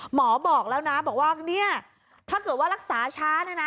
หมอบอกแล้วนะบอกว่าเนี่ยถ้าเกิดว่ารักษาช้าเนี่ยนะ